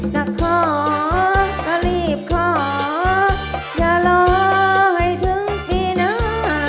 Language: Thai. จะขอก็รีบขออย่ารอให้ถึงปีหน้า